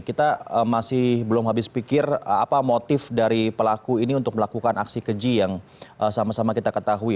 kita masih belum habis pikir apa motif dari pelaku ini untuk melakukan aksi keji yang sama sama kita ketahui